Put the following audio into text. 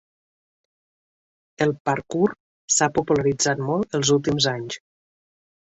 El ‘parkour’ s’ha popularitzat molt els últims anys.